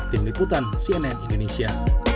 tim liputan cnn indonesia